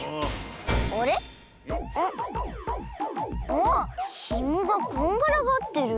ああひもがこんがらがってる。